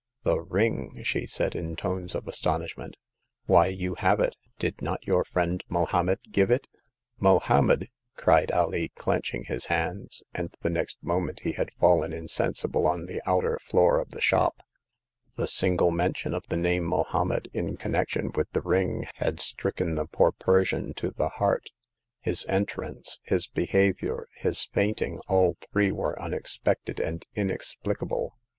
The ring !" she said, in tones of astonish ment, Why, you have it ! Did not your friend Mohommed give it '*" Mohommed !" cried Alee, clenching his hands ; and the next moment he had fallen in sensible on the outer floor of the shop. The single mention of the name Mohommed in con nection with the ring had strickaw tVv^ ^^^^S5. r 256 Hagar of the Pawn Shop. Persian to the heart. His entrance, his be havior, his fainting — all three were unexpected and inexplicable.